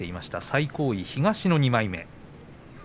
最高位は東の２枚目です。